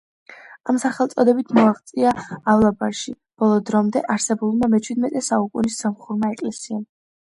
ამ სახელწოდებით მოაღწია ავლაბარში ბოლო დრომდე არსებულმა მეჩვიდმეტე საუკუნის სომხურმა ეკლესიამ.